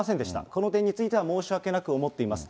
この点については、申し訳なく思っています。